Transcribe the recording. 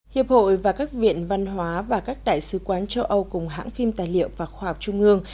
hiệp hội và các viện văn hóa và các đại sứ quán châu âu cùng hãng phim tài liệu và khoa học trung ương